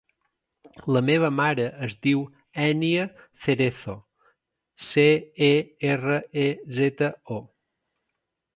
La meva mare es diu Ènia Cerezo: ce, e, erra, e, zeta, o.